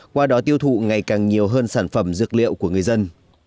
và tiêu thụ ngày càng nhiều hơn sản phẩm dược liệu của người dân